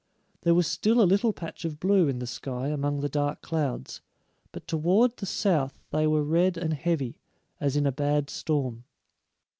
There was still a little patch of blue in the sky among the dark clouds, but toward the south they were red and heavy, as in a bad storm.